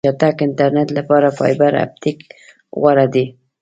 د چټک انټرنیټ لپاره فایبر آپټیک غوره دی.